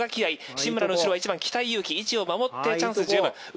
新村の後ろは１番北井佑季位置を守ってチャンス十分。